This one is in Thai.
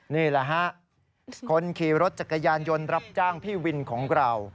นี่แหละฮะคนขี่รถจักรยานยนต์รับจ้างพี่วินของเรา